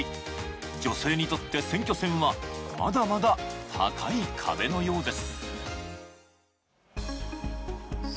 女性にとって選挙戦はまだまだ高い壁のようです。